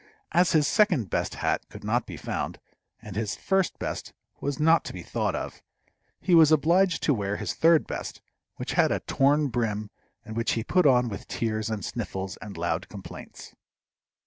As his second best hat could not be found, and his first best was not to be thought of, he was obliged to wear his third best, which had a torn brim, and which he put on with tears and sniffles and loud complaints.